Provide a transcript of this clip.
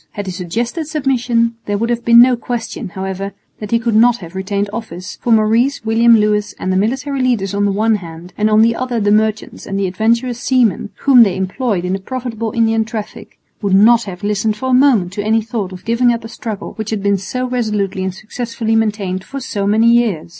Had he suggested submission, there would have been no question, however, that he could not have retained office, for Maurice, William Lewis and the military leaders on the one hand, and on the other the merchants and the adventurous seamen, whom they employed in the profitable Indian traffic, would not have listened for a moment to any thought of giving up a struggle which had been so resolutely and successfully maintained for so many years.